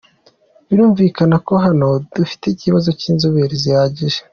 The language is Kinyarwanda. Birumvikana ko hano dufite ikibazo cy’inzobere zihagije.